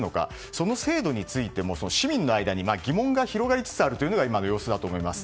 その制度についても、市民の間に疑問が広がりつつあるというのが今の様子だと思います。